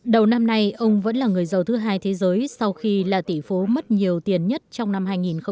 đầu năm nay ông vẫn là người giàu thứ hai thế giới sau khi là tỷ phú mất nhiều tiền nhất trong năm hai nghìn một mươi